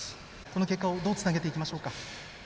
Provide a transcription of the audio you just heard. この結果をどうつなげていきましょうか？